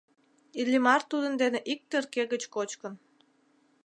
Иллимар тудын дене ик терке гыч кочкын.